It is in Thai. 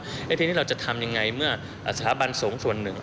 แล้วทีนี้เราจะทำยังไงเมื่อสถาบันสงฆ์ส่วนหนึ่ง